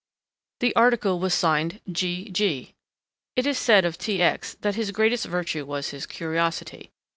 The article was signed "G. G." It is said of T. X. that his greatest virtue was his curiosity.